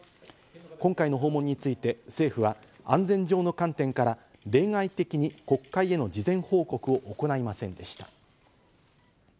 今回の訪問について政府は安全上の観点から、例外的に国会への事前報告を行いませんでした。